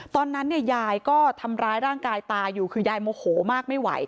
ตอนนั้นเนี่ยยายก็ทำร้ายร่างกายตาอยู่คือยายโมโหมากไม่ไหว